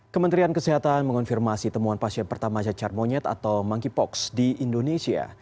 kementerian kesehatan mengonfirmasi temuan pasien pertama cacar monyet atau monkeypox di indonesia